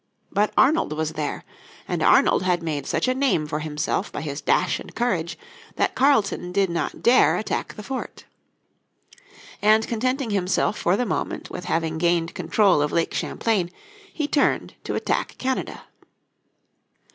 But Arnold was there, and Arnold had made such a name for himself by his dash and courage that Carleton did not dare attack the fort. And contenting himself for the moment with having gained control of Lake Champlain he turned to attack Canada.